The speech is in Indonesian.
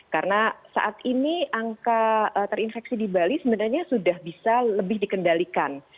karena saat ini angka terinfeksi di bali sebenarnya sudah bisa lebih dikendalikan